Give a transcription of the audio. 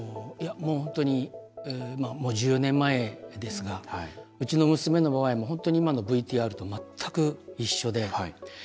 本当にもう１４年前ですがうちの娘の場合、もう本当に今のＶＴＲと全く一緒で。